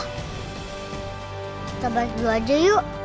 kita break dulu aja yuk